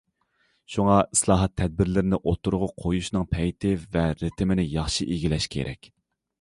شۇڭا ئىسلاھات تەدبىرلىرىنى ئوتتۇرىغا قويۇشنىڭ پەيتى ۋە رىتىمىنى ياخشى ئىگىلەش كېرەك.